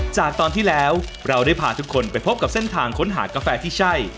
จากตอนที่แล้วเราได้พาทุกคนไปพบกับเส้นทางค้นหากาแฟที่ใช่